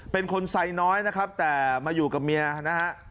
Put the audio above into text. เป็นคนไซน้อยนะครับแต่มาอยู่กับเมียนะฮะ